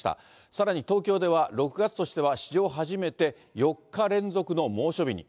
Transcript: さらに東京では、６月としては史上初めて、４日連続の猛暑日に。